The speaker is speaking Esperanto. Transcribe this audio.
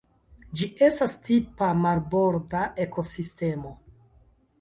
Ĝi estas tipa marborda ekosistemo.